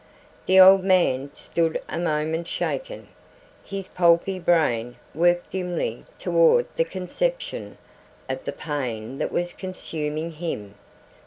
The old man stood a moment, shaken. His pulpy brain worked dimly toward the conception of the pain that was consuming him.